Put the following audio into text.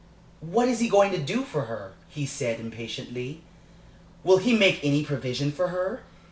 "What is he going to do for her?" he said, impatiently. "Will he make any provision for her?